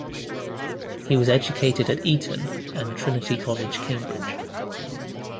He was educated at Eton and Trinity College, Cambridge.